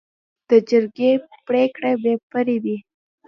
د جرګې پریکړه بې پرې وي.